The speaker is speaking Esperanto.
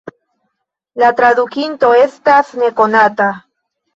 La tradukinto estas nekonata.